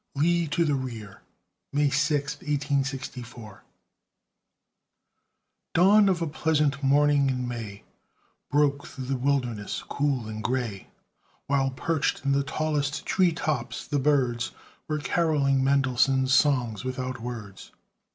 LEE TO THE REAR [May 6, 1864] Dawn of a pleasant morning in May Broke through the Wilderness cool and gray; While perched in the tallest tree tops, the birds Were carolling Mendelssohn's "Songs without Words."